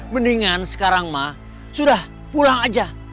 mendingan sekarang mah sudah pulang aja